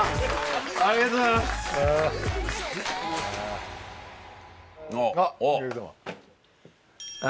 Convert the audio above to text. ありがとうございますあっああ